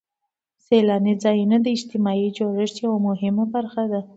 سیلاني ځایونه د اجتماعي جوړښت یوه مهمه برخه ده.